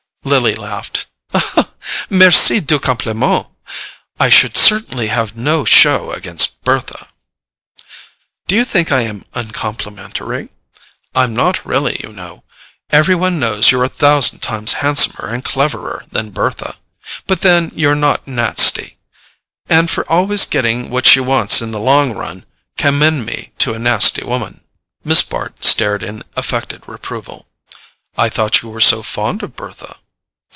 Lily laughed. "MERCI DU COMPLIMENT! I should certainly have no show against Bertha." "Do you think I am uncomplimentary? I'm not really, you know. Every one knows you're a thousand times handsomer and cleverer than Bertha; but then you're not nasty. And for always getting what she wants in the long run, commend me to a nasty woman." Miss Bart stared in affected reproval. "I thought you were so fond of Bertha."